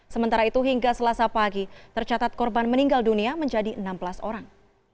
sementara itu hingga selasa pagi tercatat korban meninggal dunia menjadi enam belas orang